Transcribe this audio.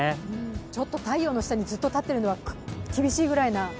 ちょっと太陽の下にずっと立ってるのは厳しいくらいな。